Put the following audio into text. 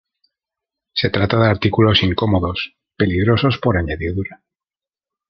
Se trata de artículos incómodos, peligrosos por añadidura.